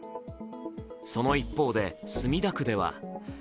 その一方で、墨田区ではＢＡ．